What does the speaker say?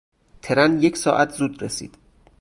ترن یک ساعت زود رسید.